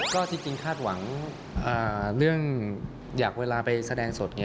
ก็จริงคาดหวังเรื่องอยากเวลาไปแสดงสดไง